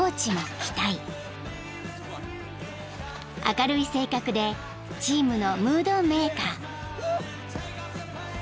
［明るい性格でチームのムードメーカー］